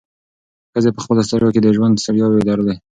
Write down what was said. ښځې په خپلو سترګو کې د ژوند ستړیاوې لرلې.